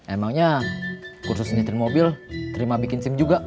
emangnya kursus nyetirin mobil terima bikin sim juga